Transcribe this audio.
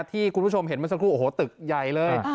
ที่คุณผู้ชมเห็นเมื่อสักครู่โอ้โหตึกใหญ่เลย